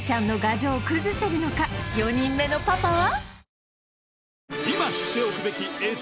４人目のパパは？